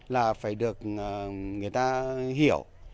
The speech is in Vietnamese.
là phải được người ta hiểu